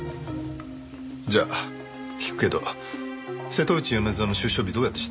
じゃあ聞くけど瀬戸内米蔵の出所日どうやって知ったの？